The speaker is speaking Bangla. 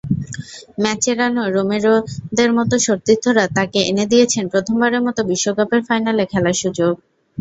মাচেরানো-রোমেরোদের মতো সতীর্থরা তাঁকে এনে দিয়েছেন প্রথমবারের মতো বিশ্বকাপের ফাইনালে খেলার সুযোগ।